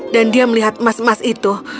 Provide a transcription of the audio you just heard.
dan dia melihat emas emas itu